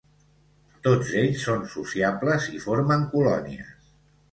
Tots ells són sociables i formen colònies.